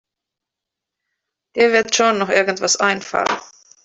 Dir wird schon noch irgendetwas einfallen.